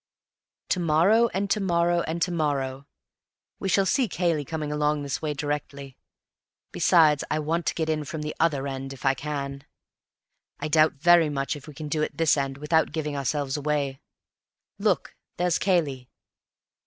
"To morrow and to morrow and to morrow. We shall see Cayley coming along this way directly. Besides, I want to get in from the other end, if I can. I doubt very much if we can do it this end without giving ourselves away. Look, there's Cayley."